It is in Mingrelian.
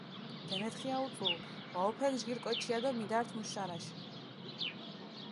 დემეთხია უწუ, ვაჸოფექ ჯგირი კოჩია დო მიდართჷ მუშ შარაშა.